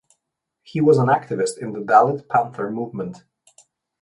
He was an activist in the Dalit Panther movement.